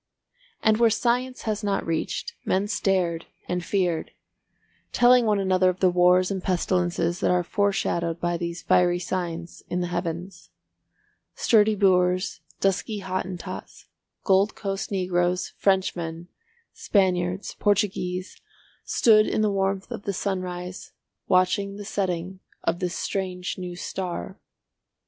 And where science has not reached, men stared and feared, telling one another of the wars and pestilences that are foreshadowed by these fiery signs in the Heavens. Sturdy Boers, dusky Hottentots, Gold Coast Negroes, Frenchmen, Spaniards, Portuguese, stood in the warmth of the sunrise watching the setting of this strange new star.